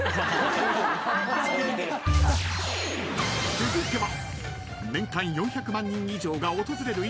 ［続いては］